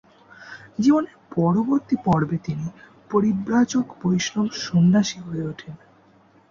জীবনের পরবর্তী পর্বে তিনি পরিব্রাজক বৈষ্ণব সন্ন্যাসী হয়ে ওঠেন।